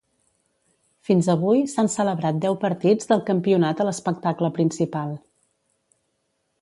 Fins avui, s'han celebrat deu partits del campionat a l'espectacle principal.